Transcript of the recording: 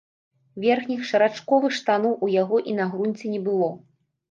Верхніх шарачковых штаноў у яго і на грунце не было.